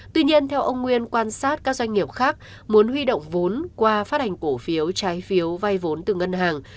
tuy nhiên theo ông nguyên quan sát các doanh nghiệp khác muốn huy động vốn qua phát hành cổ phiếu trái phiếu vay vốn từ ngân hàng